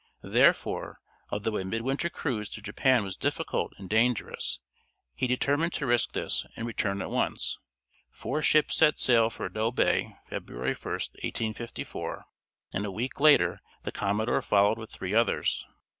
Therefore, although a midwinter cruise to Japan was difficult and dangerous, he determined to risk this and return at once. Four ships set sail for Yedo Bay February 1, 1854, and a week later the commodore followed with three others.